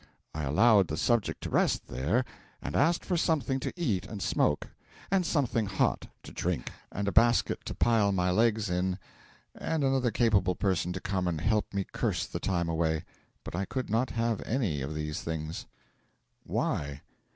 I allowed the subject to rest there, and asked for something to eat and smoke, and something hot to drink, and a basket to pile my legs in, and another capable person to come and help me curse the time away; but I could not have any of these things. 'Why?'